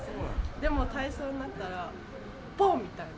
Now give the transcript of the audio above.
でも、体操になったら、ぼーんみたいな。